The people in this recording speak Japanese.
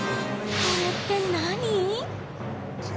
これって何？